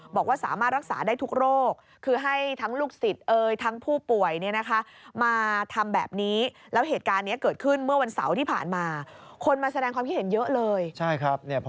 บอกว่าสามารถรักษาได้ทุกโรค